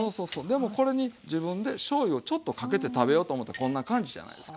でもこれに自分でしょうゆをちょっとかけて食べよと思ったらこんな感じじゃないですか。